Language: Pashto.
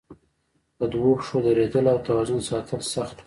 په دوو پښو درېدل او توازن ساتل سخت وو.